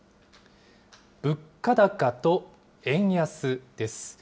物価高と円安です。